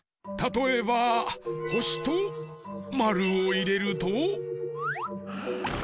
たとえばほしとまるをいれると。